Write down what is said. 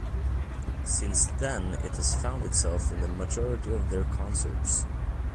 Since then, it has found itself in the majority of their concerts.